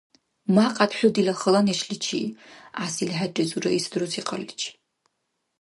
– Мякьяд хӀу дила хала нешличи, – гӀясили хӀерризур Раисат рузикьарличи.